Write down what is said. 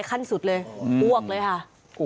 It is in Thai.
อาการชัดเลยนะคะหมอปลา